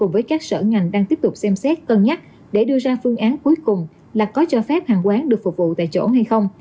với các sở ngành đang tiếp tục xem xét cân nhắc để đưa ra phương án cuối cùng là có cho phép hàng quán được phục vụ tại chỗ hay không